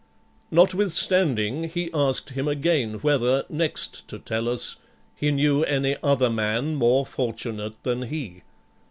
Notwithstanding, he asked him again whether, next to Tellus, he knew any other man more fortunate than he.